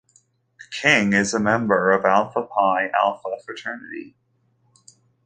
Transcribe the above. King is a member of Alpha Phi Alpha fraternity.